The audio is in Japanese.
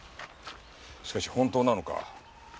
しかし本当なのか？